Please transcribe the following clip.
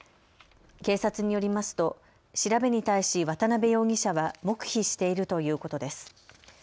警察によりますと調べに対し渡邊容疑者は黙秘しているということです。